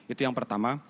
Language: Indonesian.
itu yang pertama